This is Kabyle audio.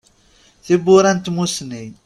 Tiwwura n tmussni.